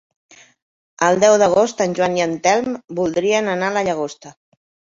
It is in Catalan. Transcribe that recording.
El deu d'agost en Joan i en Telm voldrien anar a la Llagosta.